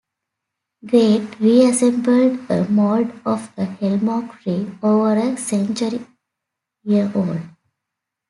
Grade reassembled a mold of a hemlock tree over a century year old.